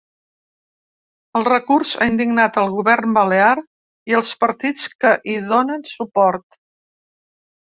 El recurs ha indignat el govern balear i els partits que hi donen suport.